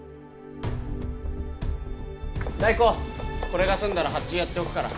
代行これが済んだら発注やっておくから。